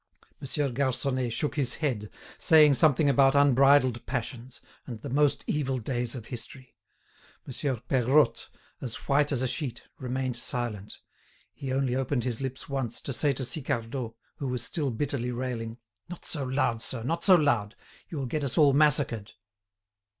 Monsieur Garconnet shook his head, saying something about "unbridled passions," and "the most evil days of history." Monsieur Peirotte, as white as a sheet, remained silent; he only opened his lips once, to say to Sicardot, who was still bitterly railing: "Not so loud, sir; not so loud! You will get us all massacred."